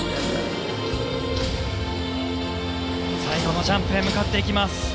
最後のジャンプへ向かっていきます。